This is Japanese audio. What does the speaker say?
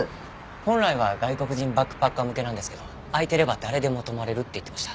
本来は外国人バックパッカー向けなんですけど空いてれば誰でも泊まれるって言ってました。